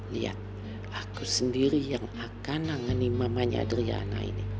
lihat aku sendiri yang akan nangani mamanya adriana ini